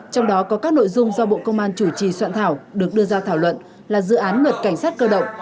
trong đó có các nội dung do bộ công an chủ trì soạn thảo được đưa ra thảo luận là dự án luật cảnh sát cơ động